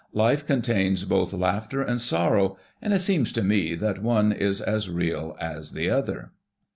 Life contains both laughter and sorrow; and it seems to me that one is as real as the other."